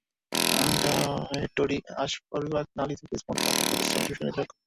Dietary আঁশ পরিপাক নালি থেকে স্পঞ্জের মতো কোলেস্টেরল শুষে নিতে সক্ষম।